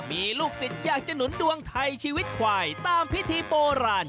มีลูกศิษย์อยากจะหนุนดวงไทยชีวิตควายตามพิธีโบราณ